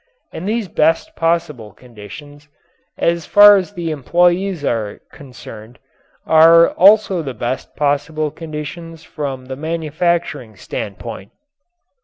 And these best possible conditions, as far as the employees are concerned, are also the best possible conditions from the manufacturing standpoint.